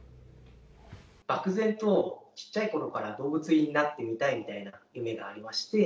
漠然と、ちっちゃいころから、動物になってみたいという夢がありまして。